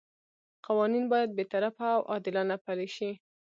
قوانین باید بې طرفه او عادلانه پلي شي.